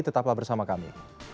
tetaplah bersama kami